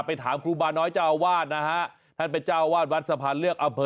ถามครูบาน้อยเจ้าวาดนะฮะท่านเป็นเจ้าวาดวัดสะพานเลือกอำเภอ